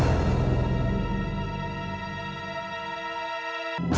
ya maksudnya dia sudah kembali ke mobil